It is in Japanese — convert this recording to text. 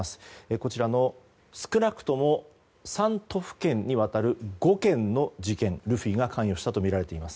こちらの少なくとも３都府県にわたる５件の事件、ルフィが関与したとみられています。